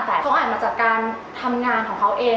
แต่เขาอ่านมาจากการทำงานของเขาเอง